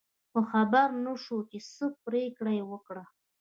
خو خبر نه شو چې څه پرېکړه یې وکړه.